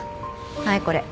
はいこれ。